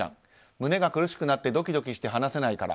胸が苦しくなってドキドキして話せないから。